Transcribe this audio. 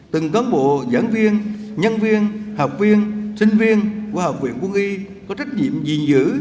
từng cán bộ giảng viên nhân viên học viên sinh viên của học viện quân y có trách nhiệm gìn giữ